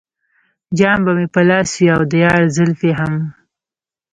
جام به مې په لاس وي او د یار زلفې هم.